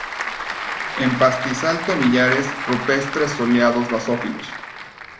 En pastizal-tomillares rupestres soleados basófilos.